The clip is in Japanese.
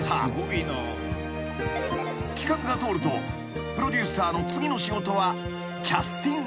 ［企画が通るとプロデューサーの次の仕事は］